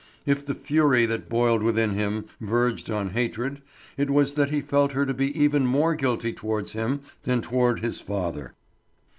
If the fury that boiled within him verged on hatred it was that he felt her to be even more guilty towards him than toward his father.